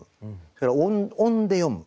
それから音で読む。